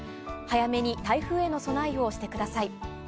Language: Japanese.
早めに台風への備えをしてください。